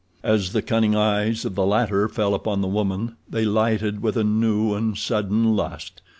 As the cunning eyes of the latter fell upon the woman they lighted with a new and sudden lust.